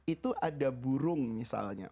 itu ada burung misalnya